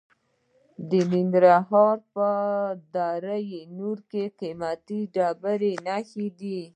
د ننګرهار په دره نور کې د قیمتي ډبرو نښې دي.